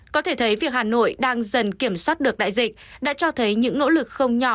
có thể thấy việc hà nội đang dần kiểm soát được đại dịch đã cho thấy những nỗ lực không nhỏ